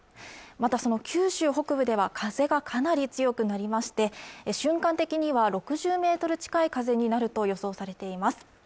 またその九州北部では風がかなり強くなりまして瞬間的には６０メートル近い風になると予想されています